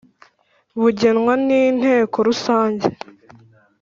bugenwa n Inteko rusange